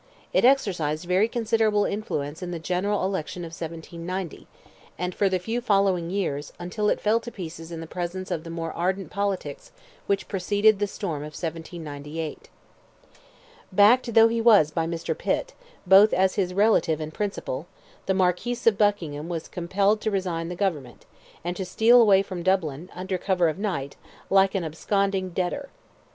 It exercised very considerable influence in the general election of 1790, and for the few following years, until it fell to pieces in the presence of the more ardent politics which preceded the storm of 1798. Backed though he was by Mr. Pitt, both as his relative and principal, the Marquis of Buckingham was compelled to resign the government, and to steal away from Dublin, under cover of night, like an absconding debtor.